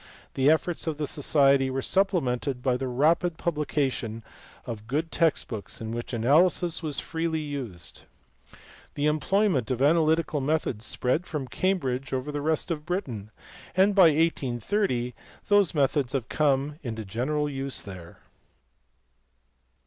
The efforts of the society were supplemented by the rapid publica tion of good text books in which analysis was freely used. The employment of analytical methods spread from Cambridge over the rest of Britain, and by 1830 these methods had come into general use there.